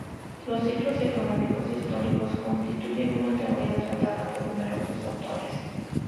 Los ciclos económicos históricos constituyen una teoría tratada por numerosos autores.